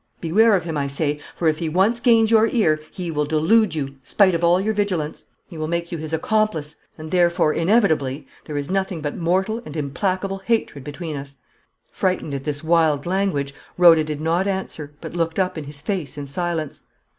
Beware of him, I say, for if he once gains your ear, he will delude you, spite of all your vigilance; he will make you his accomplice, and thenceforth, inevitably, there is nothing but mortal and implacable hatred between us!" Frightened at this wild language, Rhoda did not answer, but looked up in his face in silence.